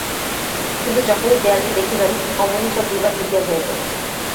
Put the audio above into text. কিন্তু যখনই দেয়ালটি দেখিবেন, অমনি সব বিবাদ মিটিয়া যাইবে।